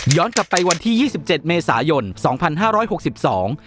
กลับไปวันที่ยี่สิบเจ็ดเมษายนสองพันห้าร้อยหกสิบสอง